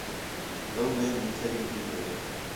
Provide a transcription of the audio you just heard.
لَولینک مٹھائی ݙِتین٘دے